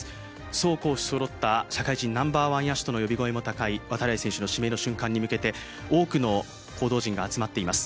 走攻守そろった社会人ナンバーワン野手との呼び声も高い、度会選手の指名を待って多くの報道陣が集まっています。